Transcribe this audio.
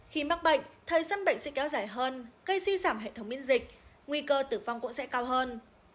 khi mắc bệnh thời sân bệnh sẽ kéo dài hơn gây suy giảm hệ thống miễn dịch nguy cơ tử vong cũng sẽ cao hơn